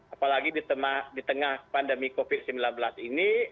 apalagi di tengah pandemi covid sembilan belas ini